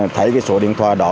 thấy số điện thoại đó